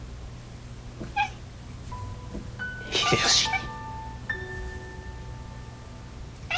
秀吉に。